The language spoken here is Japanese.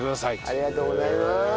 ありがとうございます！